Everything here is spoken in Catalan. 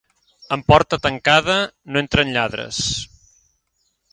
En porta tancada, no entren lladres.